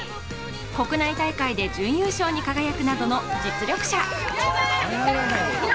国内大会で準優勝に輝くなどの実力者。